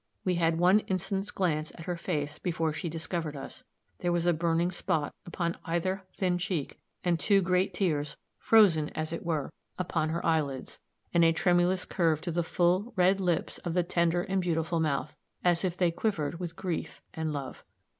We had one instant's glance at her face before she discovered us; there was a burning spot upon either thin cheek, and two great tears, frozen, as it were, upon her eyelids; and a tremulous curve to the full, red lips of the tender and beautiful mouth, as if they quivered with grief and love.